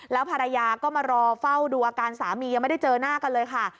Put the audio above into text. แล้วภรรยาก็มารอเฝ้าดูอาการสามียังไม่ได้เจอหน้ากันเลยค่ะ